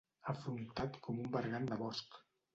Afrontat com un bergant de bosc.